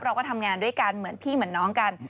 เราก็ทำงานด้วยกันเหมือนพี่เหมือนน้องกัน